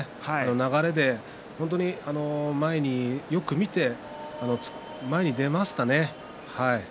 流れで本当に、前によく見て出ましたね。